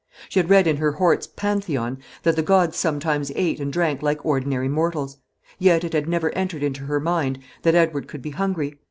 She had read in her Hort's "Pantheon" that the gods sometimes ate and drank like ordinary mortals; yet it had never entered into her mind that Edward could be hungry.